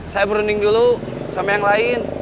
saya berunding dulu sama yang lain